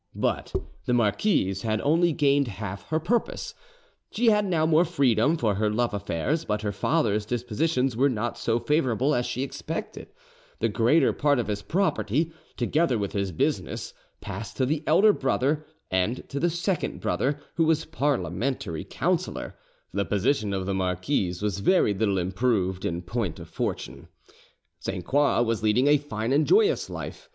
But the marquise had only gained half her purpose. She had now more freedom for her love affairs, but her father's dispositions were not so favourable as she expected: the greater part of his property, together with his business, passed to the elder brother and to the second brother, who was Parliamentary councillor; the position of, the marquise was very little improved in point of fortune. Sainte Croix was leading a fine and joyous life.